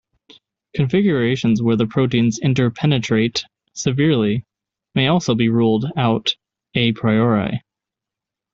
Configurations where the proteins interpenetrate severely may also be ruled out "a priori".